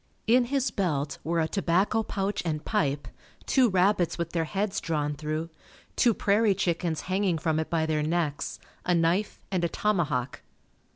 In his belt were a tobacco pouch and pipe, two rabbits with their heads drawn through, two prairie chickens hanging from it by their necks, a knife and a tomahawk.